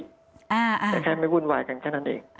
แต่แค่ไม่วุ่นวายกันแค่นั้นเอง